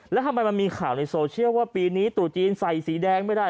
แล้วทำไมมันมีข่าวในโซเชียลว่าปีนี้ตรุษจีนใส่สีแดงไม่ได้